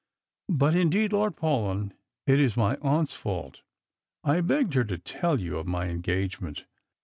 But indeed, Lord Paulyn, it is my aunt's fault. I begged her to tell you of my engagement.